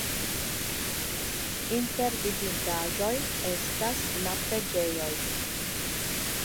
Inter vidindaĵoj estas la preĝejoj.